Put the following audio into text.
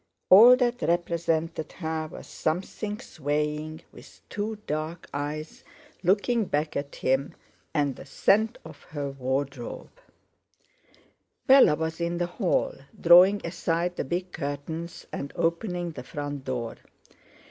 All that represented her was something swaying with two dark eyes looking back at him; and the scent of her wardrobe. Bella was in the hall, drawing aside the big curtains, and opening the front door.